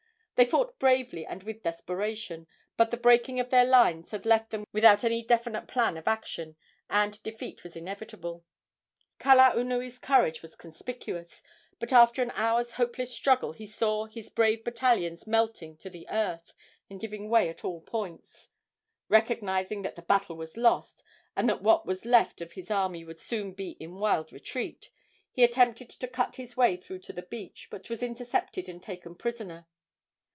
They fought bravely and with desperation; but the breaking of their lines had left them without any definite plan of action, and defeat was inevitable. Kalaunui's courage was conspicuous, but after an hour's hopeless struggle he saw his brave battalions melting to the earth and giving way at all points. Recognizing that the battle was lost, and that what was left of his army would soon be in wild retreat, he attempted to cut his way through to the beach, but was intercepted and taken prisoner.